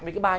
với cái bài